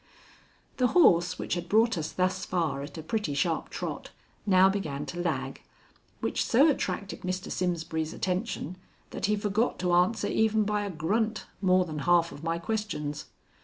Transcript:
The horse, which had brought us thus far at a pretty sharp trot, now began to lag, which so attracted Mr. Simsbury's attention, that he forgot to answer even by a grunt more than half of my questions.